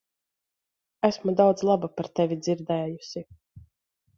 Esmu daudz laba par tevi dzirdējusi.